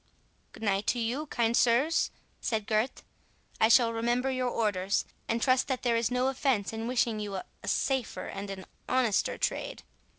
"Good night to you, kind sirs," said Gurth; "I shall remember your orders, and trust that there is no offence in wishing you a safer and an honester trade."